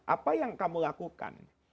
apa yang kamu lakukan